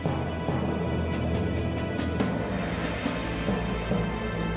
สวัสดีครับทุกคน